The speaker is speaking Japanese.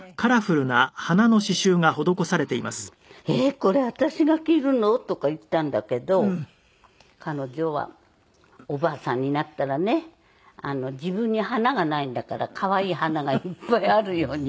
「えっこれ私が着るの？」とか言ったんだけど彼女はおばあさんになったらね自分に華がないんだから可愛い花がいっぱいあるように。